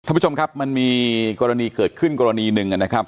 ท่านผู้ชมครับมันมีกรณีเกิดขึ้นกรณีหนึ่งนะครับ